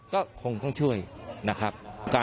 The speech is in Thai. ก็คงต้องช่วยนะครับ